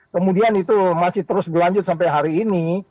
kemudian itu masih terus berlanjut sampai hari ini